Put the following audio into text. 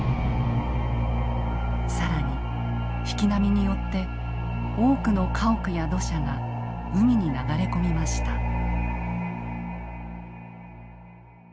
更に引き波によって多くの家屋や土砂が海に流れ込みました。